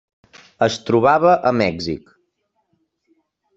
Es trobava a Mèxic.